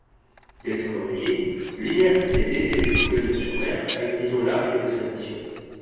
Dès son origine, l’Université d’été de Boulogne-sur-Mer a une vision large de sa mission.